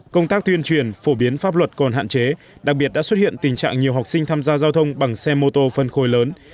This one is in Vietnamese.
công tác tuyên truyền phổ biến pháp luật còn hạn chế đặc biệt đã xuất hiện tình trạng nhiều học sinh tham gia giao thông bằng xe mô tô phân khối lớn